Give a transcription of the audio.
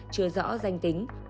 chưa rõ danh tính